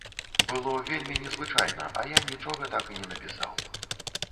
Было вельмі незвычайна, а я нічога так і не напісаў.